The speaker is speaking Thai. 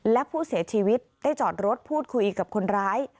และผู้เสียชีวิตได้จอดรถพูดคุยกับคนร้าย